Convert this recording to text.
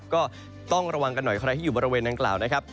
ก็ต้องระวังกันหน่อยใครที่อยู่บริเวณนั้นกล่าว